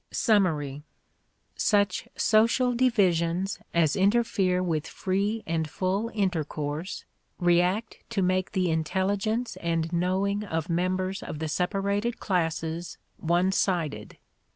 Summary. Such social divisions as interfere with free and full intercourse react to make the intelligence and knowing of members of the separated classes one sided.